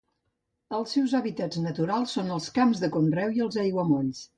Els seus hàbitats naturals són els camps de conreu i els aiguamolls.